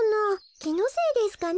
きのせいですかね？